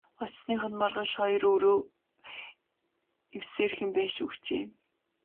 Очсоных нь маргааш хоёр өрөө эвсээрхэн байшин өгчээ.